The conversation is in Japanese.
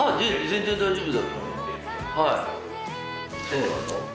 全然大丈夫。